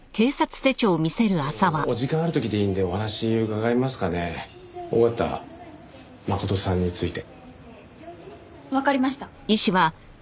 ちょっとお時間ある時でいいんでお話伺えますかね緒方真琴さんについて。わかりました。